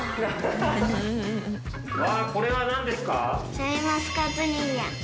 うわこれは何ですか？